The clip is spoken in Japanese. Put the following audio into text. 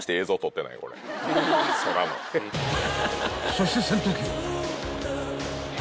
［そして戦闘機は］